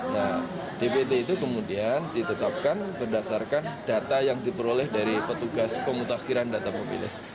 nah dpt itu kemudian ditetapkan berdasarkan data yang diperoleh dari petugas pemutakhiran data pemilih